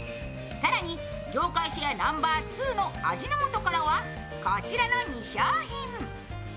更に、業界シェアナンバー２の味の素からはこちらの２商品。